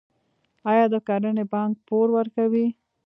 آیا د کرنې بانک پور ورکوي؟